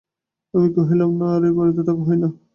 আমি কহিলাম, না, আর এ বাড়িতে থাকা হয় না।